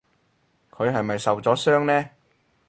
佢係咪受咗傷呢？